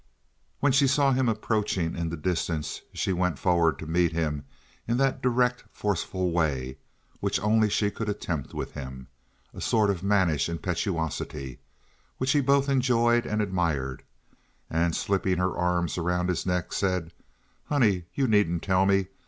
When she saw him approaching in the distance, she went forward to meet him in that direct, forceful way which only she could attempt with him, a sort of mannish impetuosity which he both enjoyed and admired, and slipping her arms around his neck, said: "Honey, you needn't tell me.